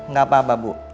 gak apa apa bu